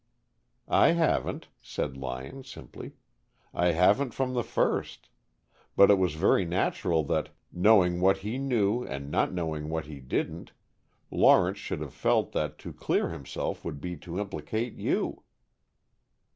"I haven't," said Lyon, simply. "I haven't from the first. But it was very natural that, knowing what he knew and not knowing what he didn't, Lawrence should have felt that to clear himself would be to implicate you."